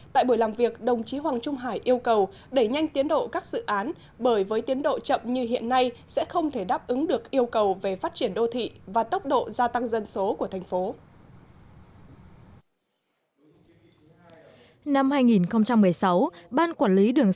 tại buổi làm việc đồng chí hoàng trung hải yêu cầu đẩy nhanh tiến độ các dự án bởi với tiến độ chậm như hiện nay sẽ không thể đáp ứng được yêu cầu về phát triển đô thị và tốc độ gia tăng dân số của thành phố